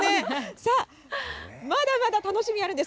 さあ、まだまだ楽しみあるんです。